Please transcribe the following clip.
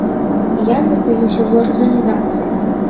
Я застаюся ў арганізацыі.